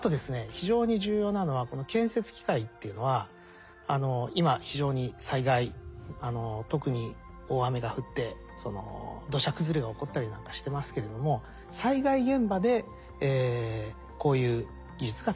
非常に重要なのはこの建設機械っていうのは今非常に災害特に大雨が降って土砂崩れが起こったりなんかしてますけれども災害現場でこういう技術が使われています。